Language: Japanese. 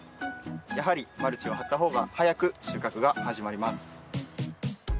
やはりマルチを張った方が早く収穫が始まります。